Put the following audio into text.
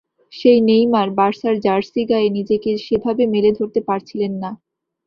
সেই নেইমার বার্সার জার্সি গায়ে নিজেকে সেভাবে মেলে ধরতে পারছিলেন না।